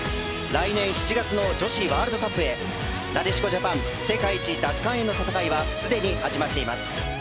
来年７月の女子ワールドカップへなでしこジャパン世界一奪還への戦いはすでに始まっています。